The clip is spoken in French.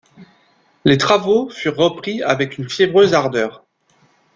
Les travaux furent repris avec une fiévreuse ardeur